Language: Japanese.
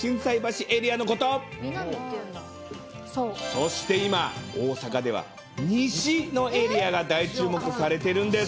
そして今、大阪では西のエリアが大注目されてるんです。